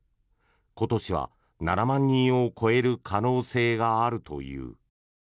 今年は７万人を超える可能性があるという。